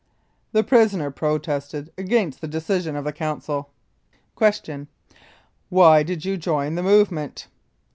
The prisoner protested against the decision of the Council. Q. Why did you join the movement?